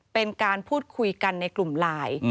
เป็นการพูดคุยกันในกลุ่มไลน์